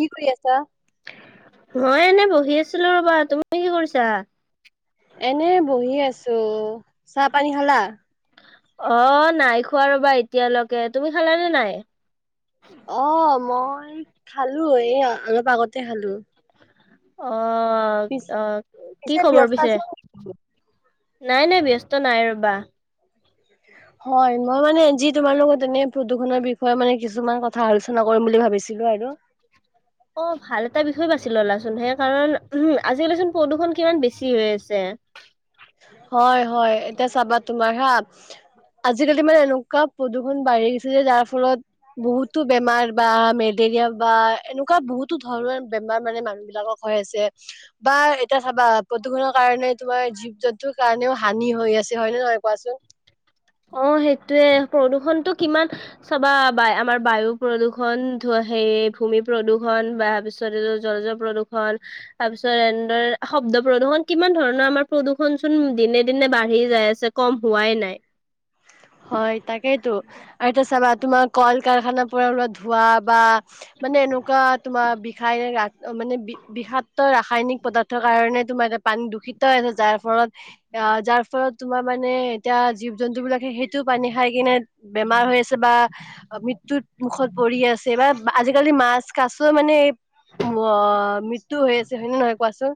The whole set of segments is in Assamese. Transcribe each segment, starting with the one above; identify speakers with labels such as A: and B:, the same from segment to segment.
A: কি কৰি আছা?
B: মই এনে বহি আছিলো ৰবা, তুমি কি কৰিছা?
A: এনে বহি আছো, চাহ পানী খালা?
B: অ নাই খোৱা ৰবা এতিয়ালৈকে, তুমি খালানে নাই?
A: অ মই খালো এই অলপ আগতে খালো।
B: অ
A: পি
B: অহ কি
A: পিছে
B: খবৰ
A: ব্যস্ত
B: পিছে?
A: আছিলা নেকি?
B: নাই নাই ব্যস্ত নাই ৰবা।
A: [unintelligible] হয় মই মানে যি তোমাৰ লগত এনে প্ৰদূষণৰ বিষয়ে মানে কিছুমান কথা আলোচনা কৰিম বুলি ভাবিছিলো আৰু।
B: অ ভাল এটা বিষয় বাচি ললাচোন সেই কাৰণ উ আজিকালিচোন প্ৰদূষণ কিমান বেছি হৈ আছে।
A: হয় হয় এতিয়া চাবা তোমাৰ হা আজিকালি মানে এনেকুৱা প্ৰদূষণ বাঢ়ি গৈছে যে যাৰ ফলত বহুতো বেমাৰ বা মেলেৰিয়া বা এনেকুৱা বহুতো ধৰণৰ বেমাৰ মানে মানুহবিলাকক হৈ আছে বা এতিয়া চাবা প্ৰদূষণৰ কাৰণে তোমাৰ যি জন্তুৰ কাৰণেও হানি হৈ আছে হয় নে নহয় কোৱাচোন।
B: অ সেইটোৱে প্ৰদূষণটো কিমান চাবা বা আমাৰ বায়ু প্ৰদূষণ ধু হে ভূমি প্ৰদূষণ বা পিছ পিছত জলজ প্ৰদূষণ তাৰপিছত এনেদৰে শব্দ প্ৰদূষণ কিমান ধৰণৰ আমাৰ প্ৰদূষণ চোন দিনে, দিনে বাঢ়ি যায় আছে, কম হোৱাই নাই।
A: হয় তাকেইতো, আৰু এতিয়া চাবা তোমাৰ কল-কাৰখানাৰ পৰা ওলোৱা ধোৱা বা মানে এনেকুৱা তোমাৰ বিষাক্ত মানে বি-বিষাক্ত ৰাসায়নিক পদাৰ্থৰ কাৰণে তোমাৰ এটা পাণী দূষিত হৈ আছে যাৰ ফলত, আ যাৰ ফলত তোমাৰ মানে এতিয়া জীৱ-জন্তু বিলাকে টো পানী খাই কিনে বেমাৰ হৈ আছে বা মৃত্যুত মুখত পৰি আছে বা আজিকালি মাছ কাছ মানে, আ মৃত্যু হৈ আছে হয়নে নহয় কোৱাচোন।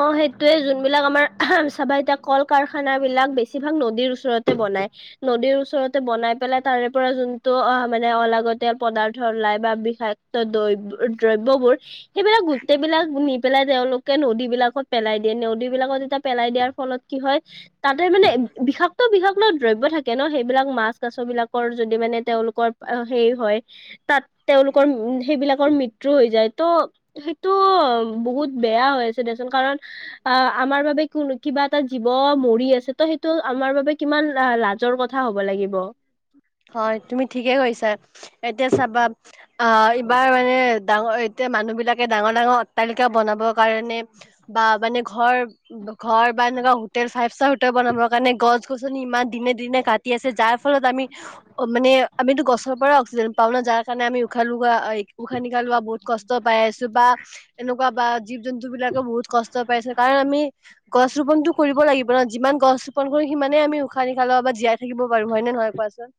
B: অ' সেইটোয়ে যোনবিলাক আমাৰ চাবা এতিয়া কল-কাৰখানা বিলাক বেছিভাগ নদীৰ ওচৰতে বনাই। নদীৰ ওচৰতে বনাই পেলাই তাৰে পৰা যোনটো অ' মানে অলাগতীয়াল পদাৰ্থ ওলাই বা বিষাক ক্ত দ্ৰ-দ্ৰব্যবোৰ সেইবিলাক গোটেইবিলাক নি পেলাই তেওঁলোক কে নদী বিলাকত পেলাই দিয়ে, নদী বিলাকত এতিয়া পেলাই দিয়াৰ ফলত কি হয় তাতে মানে বিষাক্ত, বিষাক্ত দ্ৰব্য থাকে থাকে ন, সেইবিলাক মাছ কাছ বিলাকৰ যদি মানে, তেওঁলোকৰ হেৰি হয় তাত তেওঁলোকৰ সেইবিলাকৰ মৃত্যু হৈ যায়, ত' তো বহুত বেয়া হৈ আছে দে চোন, কাৰণ আ, আমাৰ বাবে কো কিবা এটা জীৱ মৰি আছে, ত' সেইটো আমাৰ বাবে কিমান লা-লাজৰ কথা হ'ব লাগিব।
A: হয় তুমি ঠিকে কৈছা, এতিয়া চাবা আ এইবাৰ এ ডাঙৰ, এতিয়া মানুহ বিলাকে ডাঙৰ ডাঙৰ অট্টালিকা বনাবৰ কাৰণে বা মানে ঘৰ ঘৰ বা এনেকা হোটেল ফাইভ ষ্টাৰ হোটেল বনাবৰ কাৰণে গছ-গছনি ইমান দিনে-দিনে কাট দি আছে যাৰ ফলত আমি অ' মানে আমিতো গছৰ পৰা অক্সিজেন পাওঁ না যাৰ কাৰণে আমি উশাহ লোৱা, এ উশাহ-নিশাহ লোৱা বহুত কষ্ট পাই আছো বা এনেকু কুৱা বা জীৱ-জন্তু বিলাকেও বহুত কষ্ট পাইছে, কাৰণ আমি গছ ৰোপনটো কৰিব লাগিব ন, যিমান গছ ৰোপন কৰো সিমানেই আমি উশান-নিশাহ ল'ব বা জীয়াই থাকিব পাৰো, হয়নে নহয় কোৱাচোন?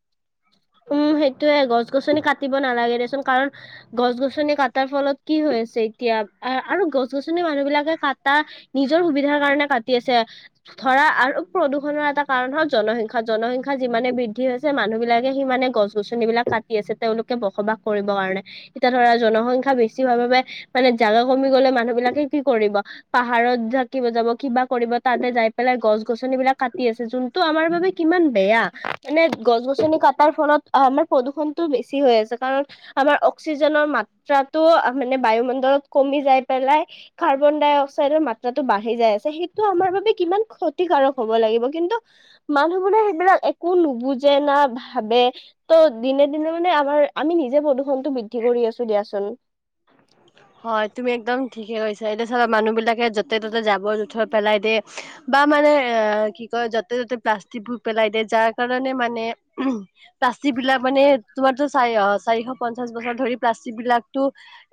B: উম, সেইটোয়ে গছ-গছনি কাটিব নালাগে দে চোন কাৰণ গছ-গছনি কাটাৰ ফলত কি হৈ আছে এতিয়া আহ আৰু গছ-গছনি মানুহ বিলাকে কটা নিজৰ সুবিধাৰ কাৰনে কাটি আছে ধৰা আৰু প্ৰদূষণৰ এটা কাৰণ হ'ল জনসংখ্যা। জনসংখ্যা যিমানে বৃদ্ধি হৈছে মানুহ বিলাক কে সিমানে গছ-গছনি বিলাক কাটি আছে, তেওঁলোকে বসবাস কৰিবৰ কাৰণে। এতিয়া ধৰা জনসংখ্যা বেছি বেছি হোৱাৰ বাবে, মানে জাগা কমি গ'লে মানুহবিলাকে কি কৰিব, পাহাৰত জা কি বজাব, কিবা কৰিব, তাতে যাই পেলাই গছ-গছনি বিলাক কাটি আছে। যোনটো আমাৰ বাবে কিমান বেয়া, মানে গছ-গছনি কাট টাৰ ফলত, আমাৰ প্ৰদূষণটো বেছি হৈ আছে। কাৰণ আমাৰ অক্সিজেনৰ মাত্ৰাটো, আ মানে বায়ুমণ্ডলত কমি যাই পেলাই কাৰ্বন ডাই অক্সাইডৰ মাত্ৰাটো বাঢ়ি যায় আছে। সেইটো আমাৰ বাবে, কিমান ক্ষতিকাৰক হ'ব লাগিব, কিন্তু মানুহবোৰে সেইবিলাক, একো নুবুজে না ভা ভাবে, ত' দিনে-দিনে মানে আমাৰ, আমি নিজে প্ৰদূষণতটো বৃদ্ধি কৰি আছো দিয়াচোন।
A: [unintelligible] হয়, তুমি একদম ঠিকে কৈছা। এতিয়া চাবা, মানুহবিলাকে য'তে-ত'তে, জাবৰ-জোথৰ পেলাই দিয়ে বা মানে এ, কি কয়, য'তে-ত'তে প্লাষ্টিকবোৰ পেলাই দিয়ে। যাৰ কাৰণে, মানে উ প্লাষ্টিক বিলাক মানে, তোমাৰতো চাৰি অ', চাৰিশ পঞ্চাশ বছৰ ধৰি, প্লাষ্টিক বিলাকতো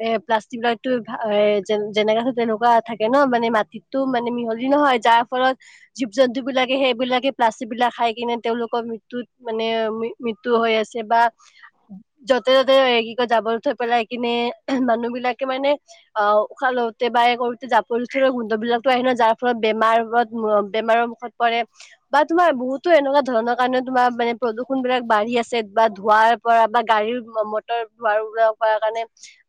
A: এ, প্লাষ্টিক বিলাকটো, এ যে-যেনেকা আছে তেনেকুৱা থাকে ন', মানে মাটিতো মানে মিহলি নহয়। যাৰ ফলত, জীৱ-জন্তু বিলাকে সেইবিলাকে প্লাষ্টিক বিলাক খাই কিনে, তেওঁলোকৰ মৃত্যু মৃত্যুত, মানে মৃ-মৃত্যু হৈ আছে বা য'তে-ত'তে এই কি কয় জাবৰ-জোথৰ পেলাই কিনে মানুহবিলাকে মানে অ, উশাহ লওঁতে বা কৰোতে জাবৰ-জোথৰৰ গোন্ধবিলাকটো আহে ন, যাৰ ফলত বেমাৰত বেমাৰৰ মুখত পৰে বা তোমাৰ বহুটো এনেকুৱা ধৰণৰ কাৰণে তোমাৰ মানে প্ৰদূষণবিলাক বাঢ়ি আছে বা ধোঁৱাৰ পৰা বা গাড়ীৰৰ মটৰ ধোঁৱাৰ কৰা কাৰণে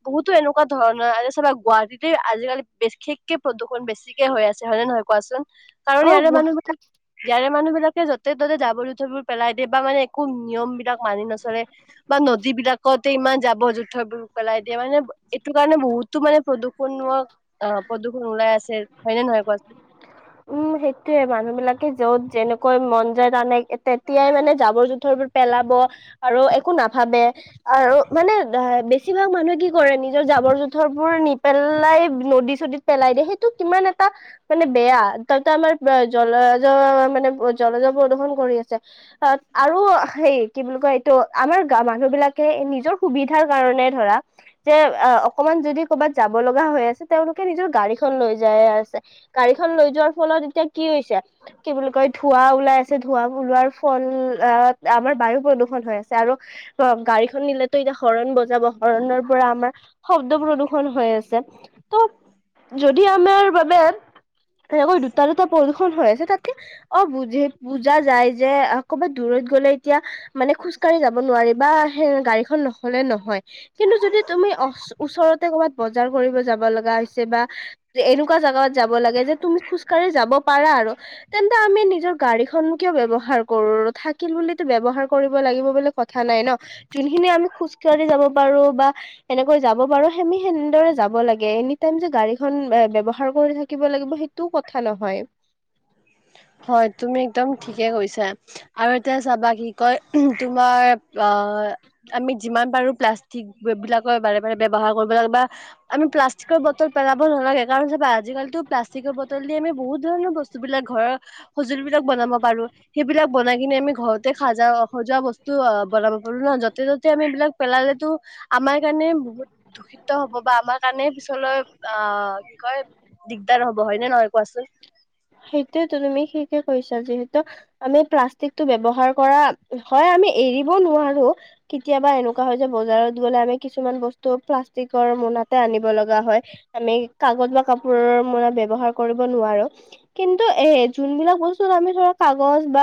A: বহুতো এনেকুৱা ধৰণৰ। আজি চাবা গুৱাহাটীতে আজিকালি বিশেষকে প্ৰদূষণ বেছি কে হৈ আছে হয়নে নহয় কোৱাচোন? কাৰণ
B: অ
A: ইয়াৰে
B: গুৱাহাটী
A: মানুহবিলাক ইয়াৰে মানুহবিলাকে যতে-ত'তে জাবৰ-জোঁথৰবোৰ পেলাই দিয়ে বা মানে একো নিয়মবিলাক মানি নচলে বা নদীবিলাকতে ইমান জাবৰ-জোঁথৰবোৰ পেলাই দিয়ে মানে এইটো কাৰণে বহুতো মানে প্ৰদূষণ অ প্ৰদূষণ ওলাই আছে হয়নে নহয় কোৱাচোন?
B: উম, সেইটোয়ে। মানুহবিলাকে য'ত যেনেকৈ মন যায় তানে তেতিয়াই মানে জাবৰ-জোঁথৰবোৰ পেলাব আৰু একো নাভাবে আৰু মানে বেছিভাগ মানুহে কি কৰে নিজৰ জাবৰ-জোঁথৰবোৰ নিপেলাই নদী-চদীত পেলাই দিয়ে সেইটো কিমান এটা মানে বেয়া। এইটো তাৰমানে জলজ মানে জলজৰ প্ৰদূষন কৰি আছে। তাত আৰু হেৰি কি বুলি কয় এইটো আমাৰ গা মানুহবিলাকে নিজৰ সুবিধাৰ কাৰণে ধৰা যে অ অকমান যদি ক'ৰবাত যাব লগা হৈ আছে তেওঁলোকে নিজৰ গাড়ীখন লৈ যাই আছে। গাড়ীখন লৈ যোৱাৰ ফলত এতিয়া কি হৈছে কি বুলি কয় ধোঁৱা ওলাই আ ছে ধোঁৱাবোৰ ওলোৱাৰ ফল আ আমাৰ বায়ু প্ৰদূষন হৈ আছে। আৰু অ, গাড়ীখন নিলেটো এতিয়া হৰন ব বজাব, হৰনৰ পৰা আমাৰ শব্দ প্ৰদূ্ষন হৈ আছে। ত' যদি আমাৰ বাবে এনেকৈ দুটা-দুটা প্ৰদূষন হৈ আছে তাতে অ বুজি বুজা যায় যে কবাত দূৰত গ'লে এতিয়া মানে খোজকাঢ়ি যাব নোৱাৰি বা সেই গাড়ীখন নহ'লে নহয় কিন্তু যদি তুমি ও ওচৰতে ক'ৰবাত বজাৰ কৰিব যাব লগা হৈছে বা এনেকুৱা জাগাত যাব লাগে যে তুমি খোজ যাব পাৰা আৰু তেন্তে আমি নিজৰ গাড়ীখন কিয় ব্যৱহাৰ কৰো থাকিল বুলিলেটো ব্যৱহাৰ কৰিব লাগিব বুলি কথা নাই ন। যোনখিনি আমি খোজ কঢ়ি যাব পাৰো বা এনেকৈ যাব পাৰো আমি সেনেদৰে যাব লাগে। এনি টাইম যে গাড়ীখন ব্যৱহাৰ কৰি থাকিব লাগিব সেইটোও কথা নহয়।
A: হয়, তুমি একদম ঠিকেই কৈছা। আৰু এতিয়া চাবা কি কয় তোমাৰ আ আমি যিমান পাৰো প্লাষ্টিকবিলাকৰ বাৰে বাৰে ব্যৱহাৰ কৰিব নালাগে বা আমি প্লাষ্টিকৰ বটল পেলাব নালাগে কাৰণ চাবা আজিকালিটো প্লাষ্টিকৰ বটল দি আমি বহুত ধৰণৰ বস্তুবিলাক ঘৰৰ সঁজুলিবিলাক বনাব পাৰো। সেইবিলাক বনাই কিনে আমি ঘৰতে সাজা সজোৱা বস্তু বনাব পাৰো ন য'তে-ত'তে আমি এইবিলাক পেলালেটো আমাৰ কাৰণে বহুত দূষিত হব বা আমাৰ কাৰণে পিছলৈ আ কি কয় দিগদাৰ হ'ব হয়নে নহয় কোৱাচোন?
B: সেইটোয়েটো তুমি ঠিকেই কৈছা যিহেতু আমি প্লাষ্টিকটো ব্যৱহাৰ কৰা, হয় আমি এৰিব নোৱাৰো কেতিয়াবা এনেকুৱা হয় যে বজাৰত গ'লে আমি কিছুমান বস্তু প্লাষ্টিকৰ মোনাতে আনিব লগা হয়। আমি কাগজ বা কাপোৰৰ মোনা ব্যৱহাৰ কৰিব নোৱাৰো কিন্তু এ যোনবিলাক বস্তুত আমি ধৰা কাগজ বা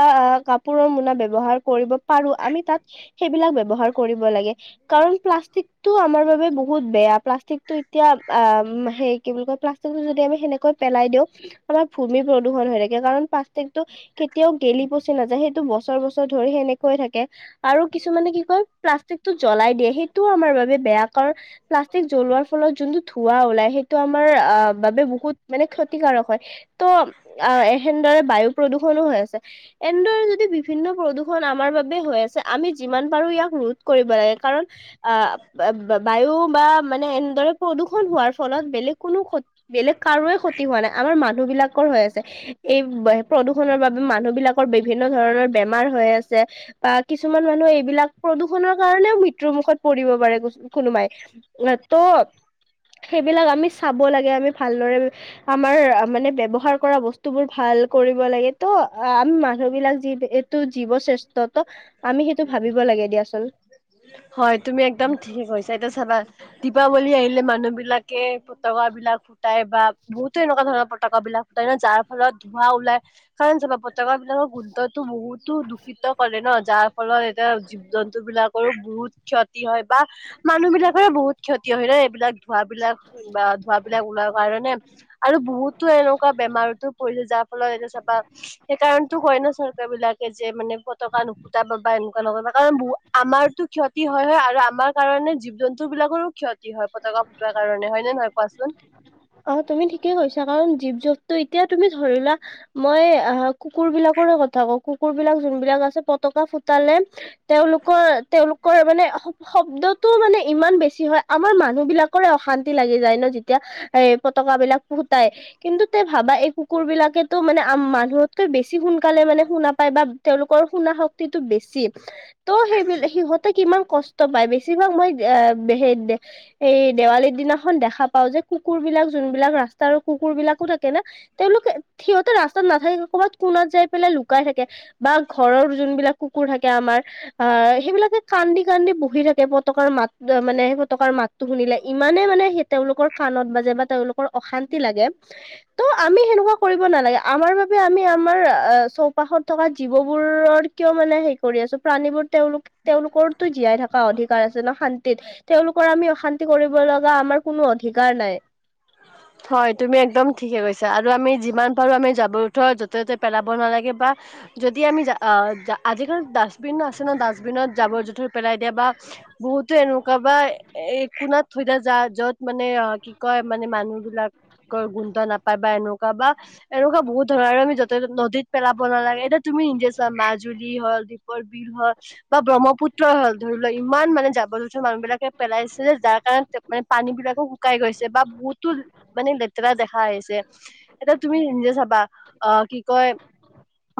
B: কাপোৰৰ মোনা ব্যৱহাৰ কৰিব পাৰো আমি তাত সেইবিলাক ব্যৱহাৰ কৰিব লাগে। কাৰণ প্লাষ্টিকটো আমাৰ বাবে বহুত বেয়া প্লাষ্টিকটো এতিয়া সে কি বুলি কয় প্লা টো যদি আমি সেনেকৈ পেলাই দিওঁ আমাৰ ভূমি প্ৰদূষণ হৈ থাকে কাৰণ প্লাষ্টিকটো কেত কেতিয়াও গেলি পচি নাযায় সেইটো বছৰ বছৰ ধৰি সেনেকৈ থাকে। আৰু কিছুমানে কি কয় প্লাষ্টিকতটো জ্বলাই দিয়ে সেইটোও আমাৰ বাবে বেয়া কাৰণ প্লাষ্টিক জ্বলোৱাৰ ফলত যোনটো ধোৱা ওলাই সেইটো আম মাৰ আ বাবে বহুত মানে ক্ষতিকাৰক হয়। ত অ এ সেনেদৰে বায়ু প্ৰদূষণো হৈ আছে। এনেদৰে যদি বিভিন্ন প্ৰদূষণ আমাৰ বাবে হৈ আছে আমি যিমান পাৰো ইয়াক ৰোধ কৰিব লাগে কাৰণ আ বায়ু বা মানে এনেদৰে প্ৰদূষণ হোৱাৰ ফলত বেলেগ কোনো ক বেলেগ কাৰো ক্ষতি হোৱা নাই আমাৰ মানুহবিলাকৰ হৈ আছে। এই ব প্ৰদূষণৰ বাবে মানুহবিলাকৰ বিভিন্ন ধৰণৰ বেমাৰ হৈ আছে। বা কিছুমান মানুহে এইবিলাক প্ৰদূষণৰ কাৰণেও মৃত্যুৰ মুখত পৰিব পাৰে কুচ কোনোমাই। নে ট সেইবিলাক আমি চাব লাগে আমি ভালদৰে আমাৰ মানে ব্যৱহাৰ কৰা বস্ত তোবোৰ ভাল কৰিব লাগে ত আমি মানুহ বিলাক যি এইটো জীৱ শ্ৰেষ্ঠ ত আমি সেইটো ভাবিব লাগে দিয়চোন।
A: হয় তুমি একদম ঠিকে কৈছা এতিয়া চাবা দীপাৱলী আহিলে মানুহবিলাকে ফতকাবিলাক ফুটাই বা বহুতো এনেকুৱা ধৰণৰ ফত তকাবিলাক ফুটাই ন, যাৰ ফলত ধোৱা ওলাই কাৰণ চা বা ফতকাবিলাকত গোন্ধত বহুতো দূষিত কৰে ন যাৰ ফলত এতিয়া জীৱ জন্তুবিলাকৰো বহুত ক্ষত তি হয় বা মানুহবিলাকৰৰে বহুত ক্ষতি হয় ন এইবিলাক ধোৱাবিলাক বা ধোৱাবিলাক ওলোৱা কাৰণে আৰ টো এনেকুৱা বেমাৰতো পৰিলে যাৰ ফলত এতিয়া চাবা সেইকাৰণতো কয় না চৰকাৰবিলাকে যে মানে পতকা নুফুটাব বা এনেকুৱা নকৰিবা কাৰণ বু আমাৰতো ক্ষতি হয় হয় আৰু আমাৰ কাৰণে জীৱ-জন্তুবিলাকৰো ক্ষত তি হয় পতকা ফুটোৱাৰ কাৰণে হয় নে নহয় কোৱাচোন?
B: অ তুমি ঠিকেই কৈছা কাৰণ জীৱ-জন্তু এতিয়া তুমি ধৰি লোৱা মই আহ কুকুৰ বিলাকৰয়ে কথা কওঁ কুকুৰ বিলাক যোনবিলাক আছে পতকা ফুটালে তেওঁলোকৰ তেওঁলোকৰ মানে শব্দটো মানে ইমান বেছি হয়। আমাৰ মানুহবিলাকৰে অশান্তি লাগি যায় ন যেতিয়া এ পতকাবিলাক ফুটাই কিন্তু তে ভাবা এই কুকুৰবিলাকেতো মানে আম মানুহত কে বেছি সোনকালে মানে শুনা পায় বা তেওঁলোকৰ শুনা শক্তিটো বেছি। ত সেইবিলাক সিহঁতে কিমান কষ্ট পায় বেছিভাগ মই [unintelligible] এই দেৱালীৰ দিনাখন দেখা পাও যে কুকুৰবিলাক যোন বিলাক ৰাস্তাৰ কুকুৰবিলাকো থাক কে না তেওঁলোকে সিহঁতে ৰাস্তাত নাথাকে ক'ৰবাত কোনাত যাই পেলাই লুকাই থাকে। বা ঘৰৰ যোনবিলাক কুকুৰ থাকে আমাৰ আহ, সেইবিলাকে কান্দি কান্দি বহি থাকে, পতকাৰ মাত মানে তকাৰ মাতটো শুনিলে ইমানে মানে, সেই তেওঁলোকৰ কাণত বাজে বা তেওঁলোকৰ অশান্তি লাগে। ত আমি সেনেকুৱা কৰিব নালাগে। আমাৰ বাবে আমি আমাৰ চৌপাশত থকা, জীৱবোৰৰ কিয় মানে সেই কৰি আছো। প্ৰাণীবোৰ তেওঁলোক তেওঁলোকৰতো জীয়াই থকা অধিকাৰ আছে ন, শান্তিত। তেওঁলোকৰ আমি অশান্তি কৰিব লগা আমাৰ কোনো অধিকাৰ নাই।
A: [inaudible] হয়, তুমি একদম ঠিকে কৈছা। আৰু আমি যিমান পাৰো আমি যাবৰ জোথৰ, য'তে- ত'তে পেলাব নালাগে। বা যদি আমি জা আজিকালি ডাষ্টবিন আছে, ন। ডাষ্টবিনত জাবৰ জোঁথৰ পেলাই দিয়া বা বহুতো এনেকুৱা বা একোনত থৈ দা যা যত ম নে অ কি কয় মানে মানুহ বিলাকৰ গোন্ধ নাপায় বা এনেকুৱা বা এনেকুৱা বহুত ধৰণৰ আৰু আমি য'তে নদীত পেলাব নালাগে। এতিয়া তুমি নিজে চোৱা মাজুলী হল পৰ বিল হ বা ব্ৰহ্মপুত্ৰ হ'ল। ধৰি লোৱা ইমান মানে জাবৰ- জোথৰ মানুহ বিলাকে পেলাইছে, যাৰ কাৰণে তে মানে পানী বিলাক শুকাই গৈছে বা মানে লেতেৰা দেখা হৈছে। এতিয়া তুমি নিজে চাবা, অ, কি কয়?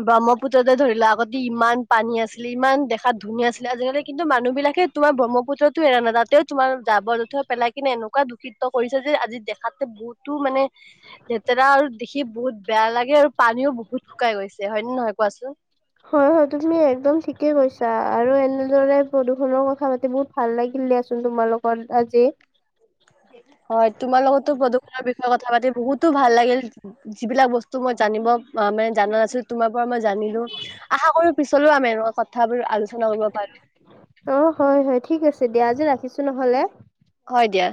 A: ব্ৰহ্মপুত্ৰতে ধৰিলা, আগতে ইমান পানী আছিলে। ইমান দেখাত ধুনীয়া আছিলে, আজিকালি কিন্তু মানুহ বিলাকে তোমাৰ ব্ৰহ্মপুতটো এৰা নাই। তাতেও যাবৰ যুথৰ, পেলাই কিনে এনো কোৱা দূষিত কৰিছে যে, আজি দেখাতে বহুতো মানে লেতেৰা আৰু দেখি বহুত বেয়া লাগে। আৰু পানীও বহুত শুকাই গৈছে হয় নে নহয়, কোৱাচোন?
B: হয়- হয়, তুমি একদম ঠিকে কৈছা, আৰু এনেদৰে প্ৰদূষণৰ কথা পাতি বহুত ভাল লাগিল দিয়াচোন। তোমাৰ লগত আজি
A: হয়। তোমাৰ লগতো প্ৰদূষণৰ বিষয়ে কথা পাতি বহুতো ভাল লাগিল। যিবিলাক বস্তু মই জানিব মানে জানা নাছিলো, তোমাৰ পৰা মই জানিলো। আশা কৰো পিছলৈও আমি এনকা কথাবোৰ আলোচনা কৰিব পাৰিম
B: অ, হয়- হয় ঠিক আছে দিয়া। আজি ৰাখিছো নহলে।
A: হয় দিয়া।